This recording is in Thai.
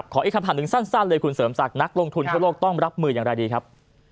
อีกคำถามหนึ่งสั้นเลยคุณเสริมศักดิ์นักลงทุนทั่วโลกต้องรับมืออย่างไรดีครับ